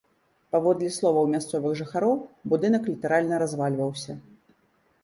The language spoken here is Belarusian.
Паводле словаў мясцовых жыхароў, будынак літаральна развальваўся.